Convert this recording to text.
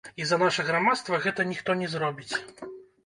І за наша грамадства гэта ніхто не зробіць.